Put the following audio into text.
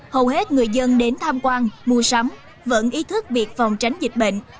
hầu hết người dân đến tham quan mua sắm vẫn ý thức việc phòng tránh dịch bệnh